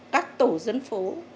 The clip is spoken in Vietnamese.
các tổ dân phố